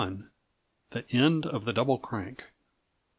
_The End of the Double Crank.